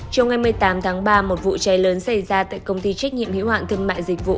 trong ngày một mươi tám tháng ba một vụ cháy lớn xảy ra tại công ty trách nhiệm hiệu hạn thương mại dịch vụ